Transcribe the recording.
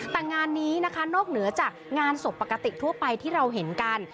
แต่งานนี้นะคะนอกเหนือจากงานศพปกติทั่วไปที่เราเห็นกัน